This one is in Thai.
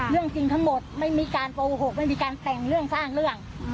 เรื่องจริงทั้งหมดไม่มีการโกหกไม่มีการแต่งเรื่องสร้างเรื่อง